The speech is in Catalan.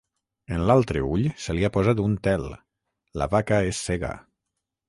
En l'altre ull se li ha posat un tel: la vaca és cega.